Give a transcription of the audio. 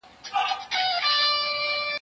زه هره ورځ د سبا لپاره د ليکلو تمرين کوم